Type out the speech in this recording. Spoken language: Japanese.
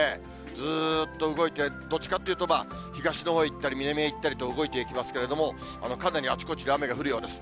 ずっと動いて、どっちかっていうと、東のほうへ行ったり、南へ行ったり動いていきますけれども、かなりあちこちで雨が降るようです。